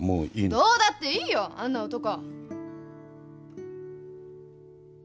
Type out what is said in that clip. どうだっていいよあんな男。